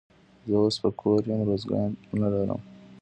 زه اوس په کور یمه، روزګار نه لرم.